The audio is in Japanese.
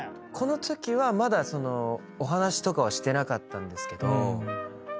このときはまだお話とかはしてなかったんですけど。